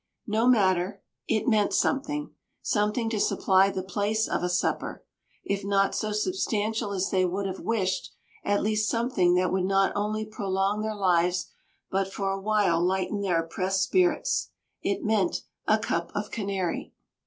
No matter; it meant something, something to supply the place of a supper, if not so substantial as they would have wished, at least something that would not only prolong their lives, but for a while lighten their oppressed spirits. It meant a cup of Canary.